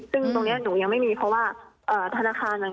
ตรงนี้หนูยังไม่มีเพราะว่าธนาคารต่าง